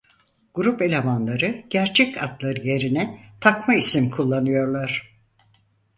Grup elemanları gerçek adları yerine takma isim kullanıyorlar.